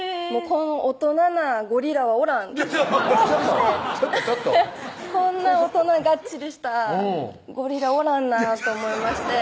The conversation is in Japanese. この大人なゴリラはおらんちょっと待ってちょっとちょっとこんな大人がっちりしたゴリラおらんなと思いまして